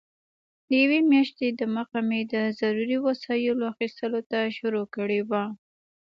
له یوې میاشتې دمخه مې د ضروري وسایلو اخیستلو ته شروع کړې وه.